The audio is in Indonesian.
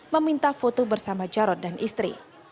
meminta foto bersama jarod dan istri